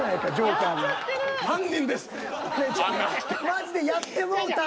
マジでやってもうた。